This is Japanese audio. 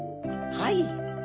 はい。